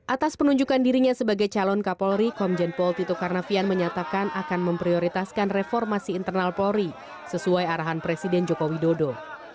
atas penunjukan dirinya sebagai calon kapolri komjen pol tito karnavian menyatakan akan memprioritaskan reformasi internal polri sesuai arahan presiden joko widodo